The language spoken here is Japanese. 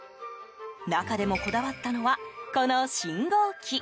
中でもこだわったのはこの信号機。